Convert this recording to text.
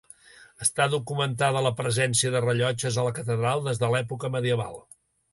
Està documentada la presència de rellotges a la catedral des de l'època medieval.